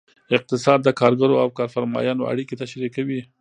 اقتصاد د کارګرو او کارفرمایانو اړیکې تشریح کوي.